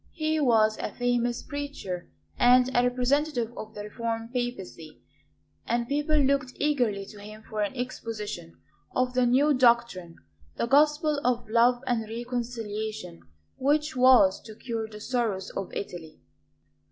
He was a famous preacher and a representative of the reformed Papacy; and people looked eagerly to him for an exposition of the "new doctrine," the gospel of love and reconciliation which was to cure the sorrows of Italy.